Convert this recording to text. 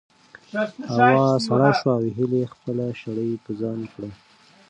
هوا سړه شوه او هیلې خپله شړۍ په ځان کړه.